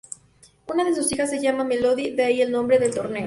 Una de sus hijas se llama Melody, de ahí el nombre del torneo.